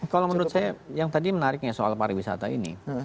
kalau menurut saya yang tadi menariknya soal pariwisata ini